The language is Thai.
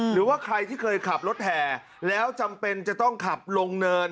หรือว่าใครที่เคยขับรถแห่แล้วจำเป็นจะต้องขับลงเนิน